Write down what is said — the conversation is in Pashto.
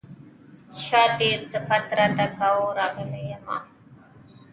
چا دې صفت راته کاوه راغلی يمه